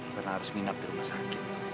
karena harus minap di rumah sakit